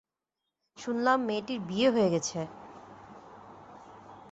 শুনলাম মেয়েটির বিয়ে হয়ে গেছে।